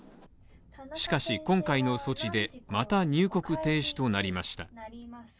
しかし今回の措置で、また入国停止となりました。